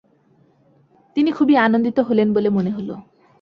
তিনি খুবই আনন্দিত হলেন বলে মনে হল।